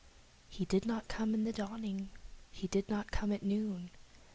He did not come in the dawning; he did not come at noon.